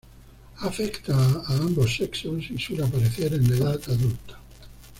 Afecta a ambos sexos y suele aparecer en la edad adulta.